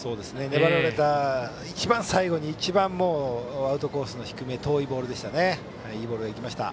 粘られた一番最後に一番アウトコースの低め遠いボールでした。